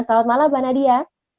selamat malam mbak nadia